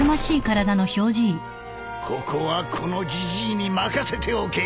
ここはこのジジイに任せておけ！